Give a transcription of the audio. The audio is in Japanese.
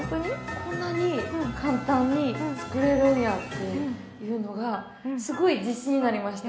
こんなに簡単に作れるんやっていうのがすごい自信になりました。